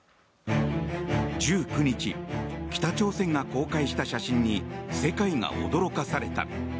１９日北朝鮮が公開した写真に世界が驚かされた。